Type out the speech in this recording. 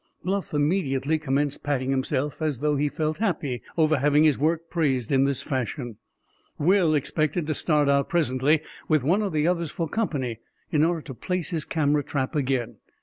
Bluff immediately commenced patting himself, as though he felt happy over having his work praised in this fashion. Will expected to start out presently, with one of the others for company, in order to place his camera trap again.